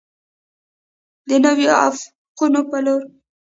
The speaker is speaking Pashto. د نویو افقونو په لور.